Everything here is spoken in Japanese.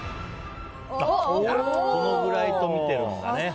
このぐらいと見ているんだね。